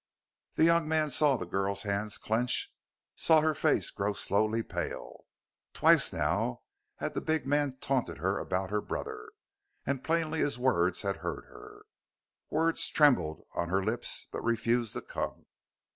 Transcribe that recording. The young man saw the girl's hands clench, saw her face grow slowly pale. Twice now had the big man taunted her about her brother, and plainly his words had hurt her. Words trembled on her lips but refused to come.